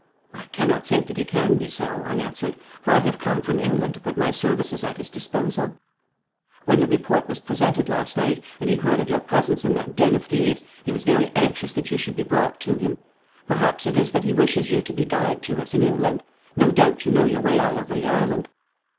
'I cannot think that he can be so,' I answered, 'for I have come from England to put my services at his disposal.' 'When the report was presented last night, and he heard of your presence in that den of thieves, he was very anxious that you should be brought to him. Perhaps it is that he wishes you to be guide to us in England. No doubt you know your way all over the island.'